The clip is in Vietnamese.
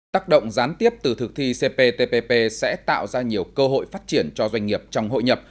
tác động gián tiếp từ thực thi cptpp sẽ tạo ra nhiều cơ hội phát triển cho doanh nghiệp trong hội nhập